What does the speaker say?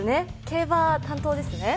競馬担当ですね